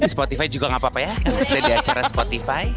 di spotify juga gapapa ya di acara spotify